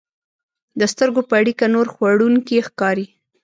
د سترګو په اړیکه نور خوړونکي ښکاري.